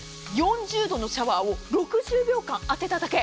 ４０度のシャワーを６０秒間当てただけ。